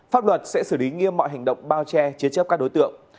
pháp luật sẽ xử lý nghiêm mọi hành động bao che chế chấp các đối tượng